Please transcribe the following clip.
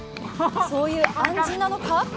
そういう暗示なのか？